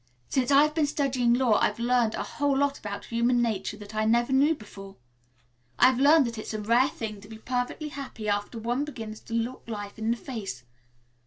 Since I've been studying law I've learned a whole lot about human nature that I never knew before. I've learned that it's a rare thing to be perfectly happy after one begins to look life in the face.